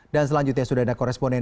dan selanjutnya sudah ada koresponsor